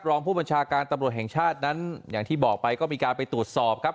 รองผู้บัญชาการตำรวจแห่งชาตินั้นอย่างที่บอกไปก็มีการไปตรวจสอบครับ